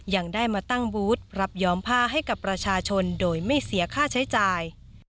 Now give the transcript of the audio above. ยังได้มาตั้งบูธรับย้อมผ้าให้กับประชาชนโดยไม่เสียค่าใช้จ่าย